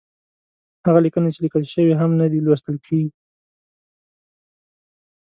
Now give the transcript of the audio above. هغه ليکنې چې ليکل شوې هم نه دي، لوستل کېږي.